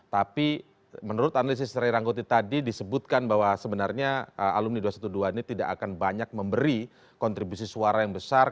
tapi menurut analisis ray rangkuti tadi disebutkan bahwa sebenarnya alumni dua ratus dua belas ini tidak akan banyak memberi kontribusi suara yang besar